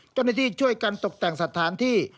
ก็ได้ที่ช่วยกันตกแต่งสถานที่